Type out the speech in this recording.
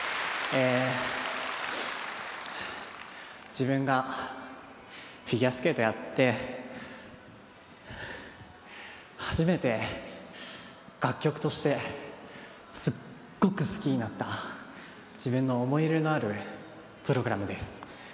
自分がフィギュアスケートやって初めて楽曲としてすっごく好きになった自分の思い入れのあるプログラムです。